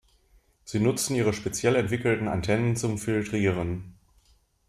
Sie nutzen ihre speziell entwickelten Antennen zum Filtrieren.